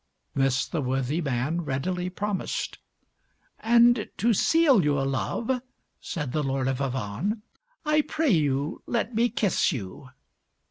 This the worthy man readily promised. "And to seal your love," said the Lord of Avannes, "I pray you let me kiss you."